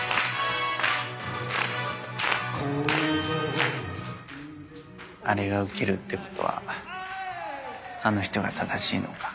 この腕にあれがウケるってことはあの人が正しいのか。